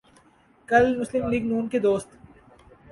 کل مسلم لیگ ن کے دوست